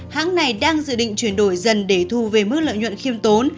hãng này đang dự định chuyển đổi dần để thu về mức lợi nhuận khiêm tốn